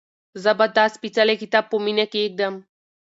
زه به دا سپېڅلی کتاب په مینه کېږدم.